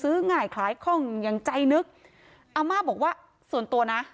ซื้อไงคล้ายของยังใจนึกอาม่าบอกว่าส่วนตัวนะ